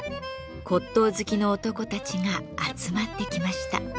骨とう好きの男たちが集まってきました。